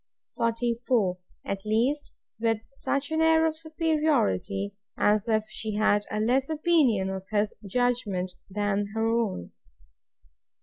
44. At least, with such an air of superiority, as if she had a less opinion of his judgment than her own.